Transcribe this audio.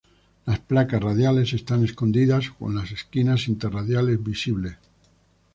Las placas radiales están escondidas o con las esquinas inter-radiales visibles.